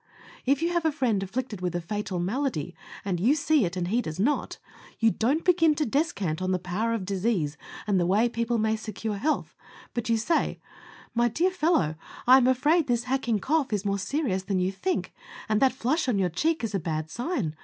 If you have a friend afflicted with a fatal malady, and you see it, and he does not, you don't begin to descant on the power of disease and the way people may secure health, but you say, "My dear fellow, I am afraid this hacking cough is more serious than you think, and that flush on your cheek is a bad sign.